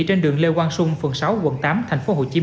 trên đường lê quang sung phường sáu quận tám tp hcm